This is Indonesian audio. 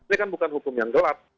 ini kan bukan hukum yang gelap